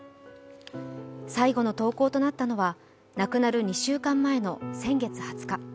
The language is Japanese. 最後の投稿となったのは亡くなる２週間前の先月２０日。